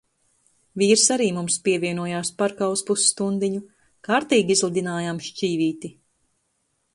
Vīrs arī mums pievienojās parkā uz pusstundiņu. Kārtīgi izlidinājām šķīvīti.